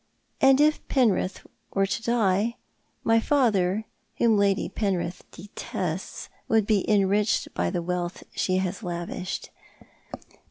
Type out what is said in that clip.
And if Penrith were to die, my father, whom Lady Penrith detests, would be enriched by the wealth she has lavished.